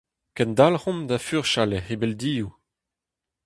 Kendalc'homp da furchal er C'hibelldioù.